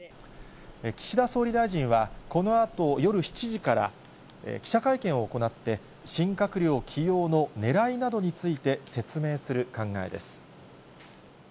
岸田総理大臣は、このあと夜７時から記者会見を行って、新閣僚起用のねらいなどについて説明する考えです。